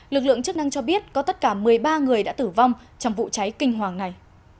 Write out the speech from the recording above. lực lượng chức năng cho biết có tất cả một mươi ba người đã tử vong trong vụ cháy kinh hoàng này